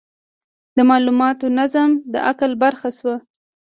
د مالوماتو نظم د عقل برخه شوه.